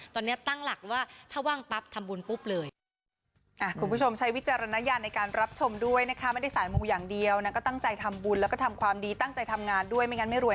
ตอนนี้ตั้งหลักว่าถ้าว่างปั๊บทำบุญปุ๊บเลย